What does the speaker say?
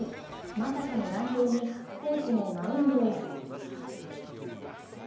まさかの乱調にコーチもマウンドへ。